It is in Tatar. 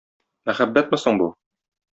Мәхәббәтме соң бу?